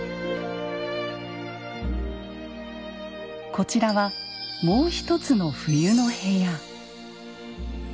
こちらはもう一つの冬の部屋。